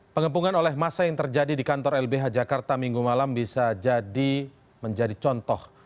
pengepungan oleh masa yang terjadi di kantor lbh jakarta minggu malam bisa menjadi contoh